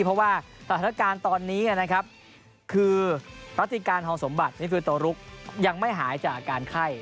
เพราะว่าสถานการณ์ตอนนี้นะครับคือรัติการทองสมบัตินี่คือโตลุกยังไม่หายจากอาการไข้